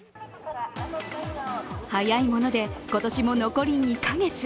早いもので今年も残り２カ月。